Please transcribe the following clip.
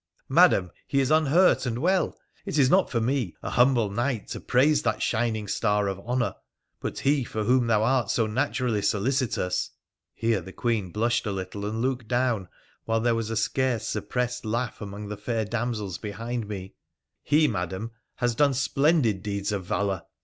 ' Madam, he is unhurt and well ! It is not for me, a humble knight, to praise that shining star of honour, but he for whom thou art so naturally solicitous ' (here the Queen blushed a little and looked down, while there was a scarce suppressed laugh among the fair damsels behind me), ' he, Madam, has done splendid deeds of valour.